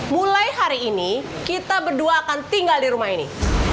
mulai hari ini kita berdua akan tinggal di rumah ini